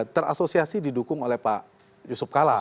terasosiasi didukung oleh pak yusuf kala